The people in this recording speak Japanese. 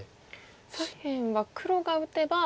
左辺は黒が打てば止まる。